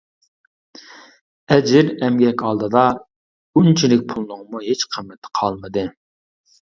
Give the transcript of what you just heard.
ئەجىر، ئەمگەك ئالدىدا ئۇنچىلىك پۇلنىڭمۇ ھېچ قىممىتى قالمىدى.